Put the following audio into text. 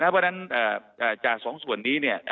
เพราะฉะนั้นจากสองส่วนนี้เนี่ย